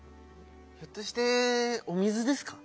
ひょっとしてお水ですか？